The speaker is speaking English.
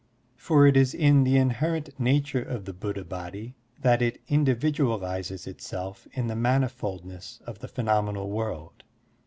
For it is in the inherent nature of the Buddha Body that it individualizes itself in the manifoldness of the phenomenal world.